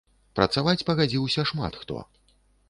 Працаваць пагадзіўся шмат хто.